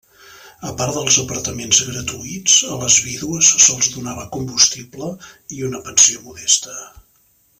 A part dels apartaments gratuïts, a les vídues se'ls donava combustible i una pensió modesta.